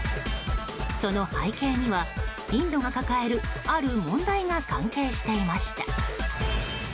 その背景には、インドが抱えるある問題が関係していました。